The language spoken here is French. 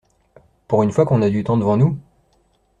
Pour une fois qu’on a du temps devant nous...